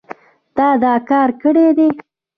تا دا کار کړی دی